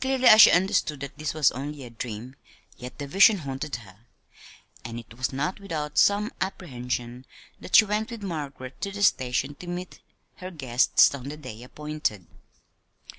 Clearly as she understood that this was only a dream, yet the vision haunted her; and it was not without some apprehension that she went with Margaret to the station to meet her guests, on the day appointed.